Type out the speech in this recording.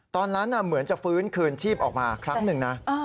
ตอนนั้นเหมือนจะฟื้นคืนชีพออกมาครั้งหนึ่งนะ